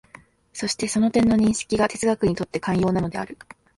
そしてその点の認識が哲学にとって肝要なのである。